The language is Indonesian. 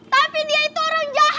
tapi dia itu orang jahat